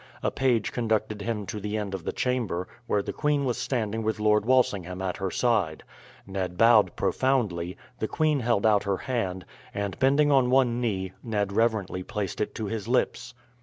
A page conducted him to the end of the chamber, where the queen was standing with Lord Walsingham at her side. Ned bowed profoundly, the queen held out her hand, and bending on one knee Ned reverently placed it to his lips.